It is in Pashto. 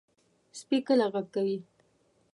سپي کله غږ کوي.